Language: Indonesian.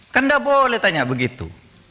kan tidak boleh tanya begitu